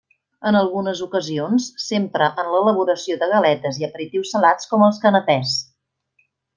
En algunes ocasions s'empra en l'elaboració de galetes i aperitius salats com els canapès.